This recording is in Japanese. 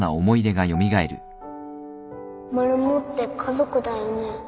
マルモって家族だよね